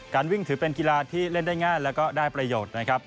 วิ่งถือเป็นกีฬาที่เล่นได้ง่ายแล้วก็ได้ประโยชน์นะครับ